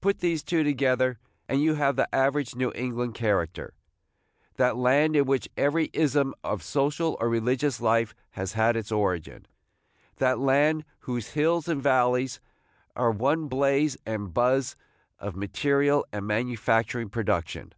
Put these two together, and you have the average New England character, – that land in which every ism of social or religious life has had its origin, – that land whose hills and valleys are one blaze and buzz of material and manufacturing production.